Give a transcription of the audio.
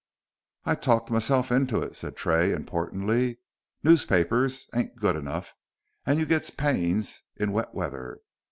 "I talked m'self int' it," said Tray, importantly. "Newspapers ain't good enough, and you gets pains in wet weather.